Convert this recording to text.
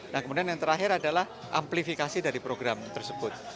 nah kemudian yang terakhir adalah amplifikasi dari program tersebut